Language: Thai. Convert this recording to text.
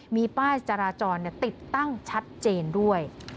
มีป้ายจราจรติดตั้งชัดเจนด้วย